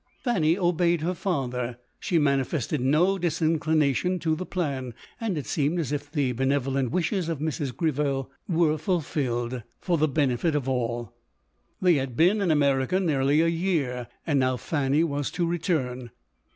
Fanny obeyed her father. She manifested no disinclination to the plan ; and it seemed as if the benevolent wishes of Mrs. Greville were fulfilled for the benefit of all. They had been in America nearly a year, and now Fanny was to return.